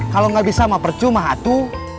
kalo ga bisa mau percu mau hatu